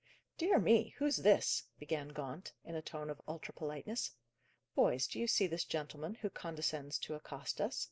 "Dear me, who's this?" began Gaunt, in a tone of ultra politeness. "Boys, do you see this gentleman who condescends to accost us?